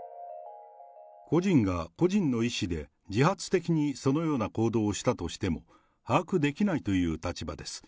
個人が個人の意思で自発的にそのような行動をしたとしても、把握できないという立場です。